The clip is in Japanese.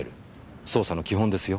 捜査の基本ですよ